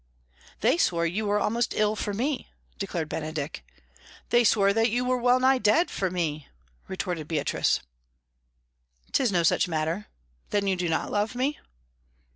"They swore you were almost ill for me," declared Benedick. "They swore that you were wellnigh dead for me," retorted Beatrice. "'Tis no such matter. Then you do not love me?"